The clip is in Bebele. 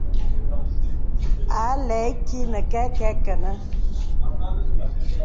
A lɛ̂ ìkì nə kɛkɛ kə̀nɛ̂.